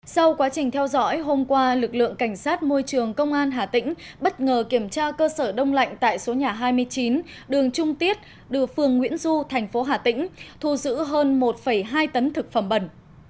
sau quá trình theo dõi hôm qua lực lượng cảnh sát môi trường công an hà tĩnh bất ngờ kiểm tra cơ sở đông lạnh tại số nhà hai mươi chín đường trung tiết đường phường nguyễn du thành phố hà tĩnh thu giữ hơn một hai tấn thực phẩm bẩn